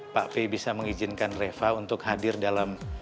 pak b bisa mengijinkan reva untuk hadir dalam